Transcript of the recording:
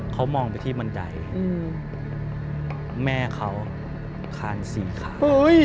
เขามองไปที่บรรจัยแม่เขาคานสี่ขา